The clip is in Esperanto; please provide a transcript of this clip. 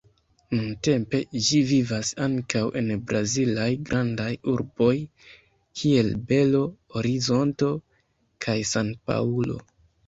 Nuntempe ĝi vivas ankaŭ en brazilaj grandaj urboj, kiel Belo Horizonto kaj San-Paŭlo.